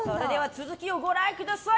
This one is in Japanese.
続きをご覧ください。